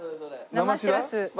生しらす。